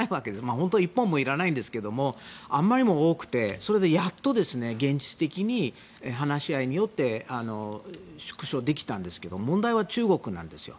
本当は１本もいらないんですがあんまりにも多くてやっと現実的に話し合いによって縮小できたんですけど問題は中国なんですよ。